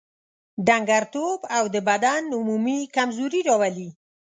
ډنګرتوب او د بدن عمومي کمزوري راولي.